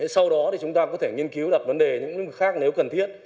sau đó thì chúng ta có thể nghiên cứu đặt vấn đề những lĩnh vực khác nếu cần thiết